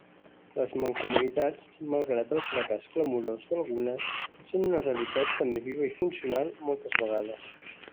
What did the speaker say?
Les mancomunitats, malgrat el fracàs clamorós d'algunes, són una realitat també viva i funcional moltes vegades.